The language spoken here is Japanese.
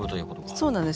そうなんです。